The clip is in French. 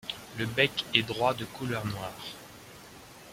Le bec est droit, de couleur noire.